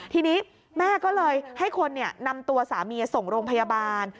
ทีนี้แม่ก็เลยให้คนนำตัวสามีส่งโรงพยาบาล